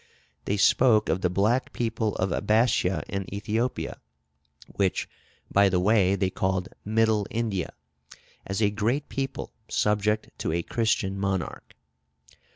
They spoke of the black people of Abascia in Ethiopia, which, by the way, they called Middle India, as a great people subject to a Christian monarch.